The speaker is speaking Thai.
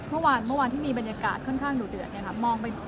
เมื่อวานที่มีบรรยากาศค่อนข้างหนูเดือด